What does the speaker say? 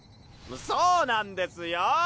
そうなんですよ！